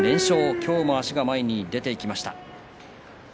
今日も足が前に出ていきました。